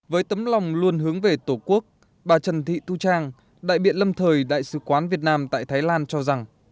với tấm lòng luôn hướng về tổ quốc bà trần thị tu trang đại biện lâm thời đại sứ quán việt nam tại thái lan cho rằng